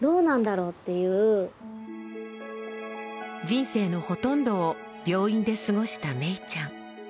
人生のほとんどを病院で過ごしためいちゃん。